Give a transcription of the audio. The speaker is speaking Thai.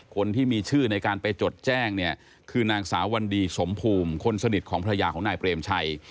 คนที่มีชื่อในการไปจดแจ้งเนี่ยคือนางสาววันดีสมภูมิคนสนิทของภรรยาของนายเปรมชัย